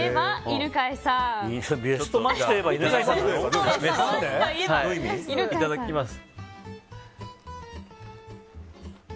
いただきます。